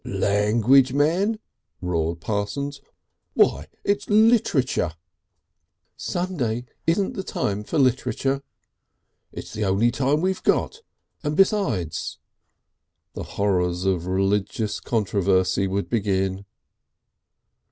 "Language, man!" roared Parsons, "why, it's Literature!" "Sunday isn't the time for Literature." "It's the only time we've got. And besides " The horrors of religious controversy would begin....